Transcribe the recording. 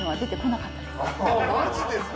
マジですか！